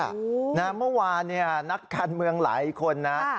โอ้โหนะเมื่อวานเนี้ยนักการเมืองหลายคนน่ะอ่ะ